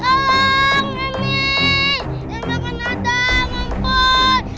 aku gak peduli dengan anak harimau